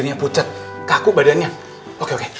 lepas itu aku akan mencoba